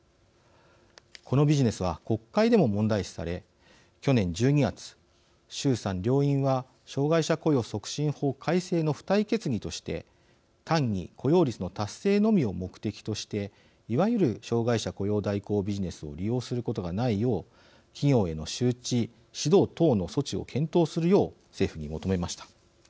このビジネスは国会でも問題視され去年１２月衆参両院は障害者雇用促進法改正の付帯決議として単に雇用率の達成のみを目的としていわゆる障害者雇用代行ビジネスを利用することがないよう企業への周知指導等の措置を検討するよう政府に求めました。